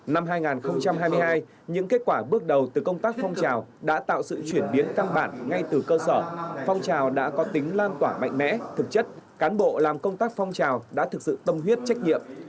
năm hai nghìn hai mươi hai những kết quả bước đầu từ công tác phong trào đã tạo sự chuyển biến căn bản ngay từ cơ sở phong trào đã có tính lan tỏa mạnh mẽ thực chất cán bộ làm công tác phong trào đã thực sự tâm huyết trách nhiệm